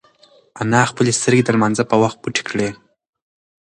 انا خپلې سترگې د لمانځه په وخت پټې کړې.